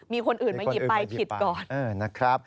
มีคนอื่นมาหยิบไปผิดก่อน